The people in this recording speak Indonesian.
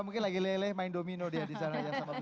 mungkin lagi leleh main domino dia disana